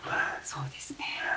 そうですね。